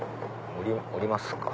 降りますか。